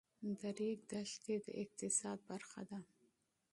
د ریګ دښتې د اقتصاد برخه ده.